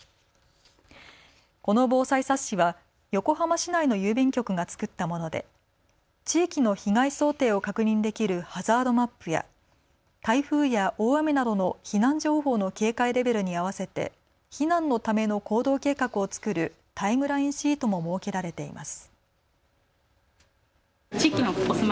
この防災冊子は横浜市内の郵便局が作ったもので地域の被害想定を確認できるハザードマップや、台風や大雨などの避難情報の警戒レベルに合わせて避難のための行動計画を作るタイムラインシートも設けられています。